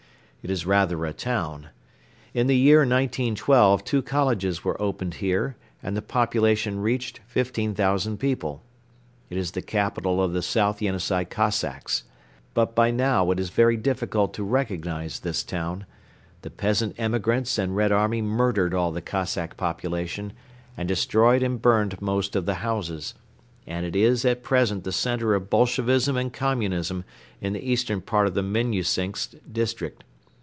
It is rather a town. In the year 1912 two colleges were opened here and the population reached 15,000 people. It is the capital of the South Yenisei Cossacks. But by now it is very difficult to recognize this town. The peasant emigrants and Red army murdered all the Cossack population and destroyed and burned most of the houses; and it is at present the center of Bolshevism and Communism in the eastern part of the Minnusinsk district.